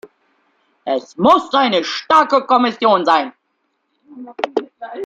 Es muss eine starke Kommission sein.